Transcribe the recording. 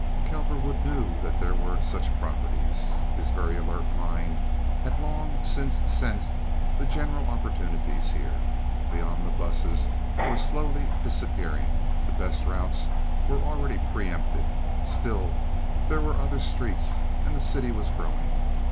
Cowperwood knew that there were such properties. His very alert mind had long since sensed the general opportunities here. The omnibuses were slowly disappearing. The best routes were already preempted. Still, there were other streets, and the city was growing.